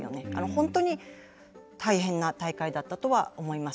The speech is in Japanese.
本当に大変な大会だったとは思います。